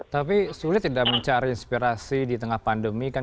tapi sulit tidak mencari inspirasi di tengah pandemi kan